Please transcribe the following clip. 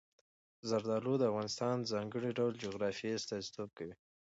زردالو د افغانستان د ځانګړي ډول جغرافیې استازیتوب کوي.